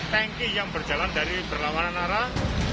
tanki yang berjalan dari berlawanan arah